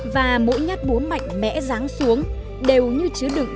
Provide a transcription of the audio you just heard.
và mỗi nhát búa mạnh mẽ ráng xuống đều như chứa đựng